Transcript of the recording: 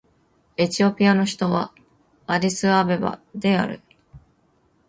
エチオピアの首都はアディスアベバである